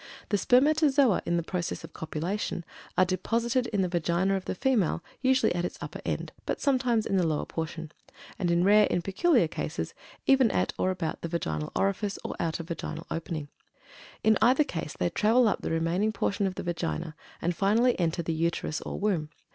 The spermatozoa (in the process of copulation) are deposited in the Vagina of the female, usually at its upper end, but sometimes in the lower portion; and in rare and peculiar cases even at or about the Vaginal Orifice or outer vaginal opening. In either case they travel up the remaining portion of the Vagina and finally enter the Uterus or womb.